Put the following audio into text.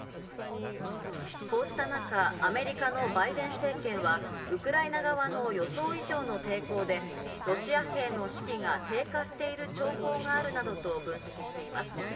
こうした中、アメリカのバイデン政権は、ウクライナ側の予想以上の抵抗でロシア兵の士気が低下している兆候があるなどと分析しています。